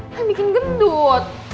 kan bikin gendut